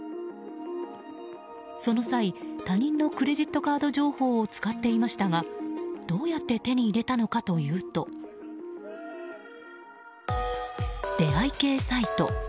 その際他人のクレジットカード情報を使っていましたがどうやって手に入れたのかというと出会い系サイト。